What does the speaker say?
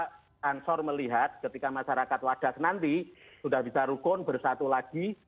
jadi saya berharap asrori melihat ketika masyarakat wadas nanti sudah bisa rukun bersatu lagi